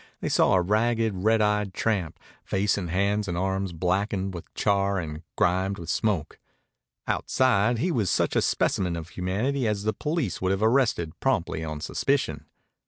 They saw a ragged, red eyed tramp, face and hands and arms blackened with char and grimed with smoke. Outside, he was such a specimen of humanity as the police would have arrested promptly on suspicion.